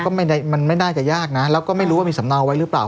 ก็มันไม่น่าจะยากนะแล้วก็ไม่รู้ว่ามีสำเนาไว้หรือเปล่า